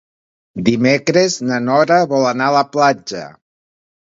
Dimecres na Nora vol anar a la platja.